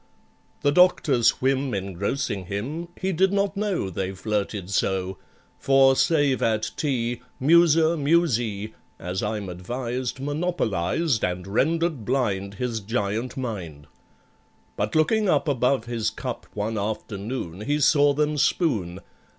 The Doctor's whim engrossing him, He did not know they flirted so. For, save at tea, "musa musæ," As I'm advised, monopolised And rendered blind his giant mind. But looking up above his cup One afternoon, he saw them spoon.